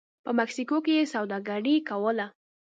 په مکسیکو کې یې سوداګري کوله